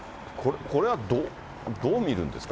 これはどう見るんですか？